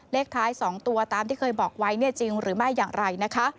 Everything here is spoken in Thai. เลขท้าย๒ตัวตามที่เคยบอกไว้เนี่ยจริงหรือไม่อย่างไรนะคะ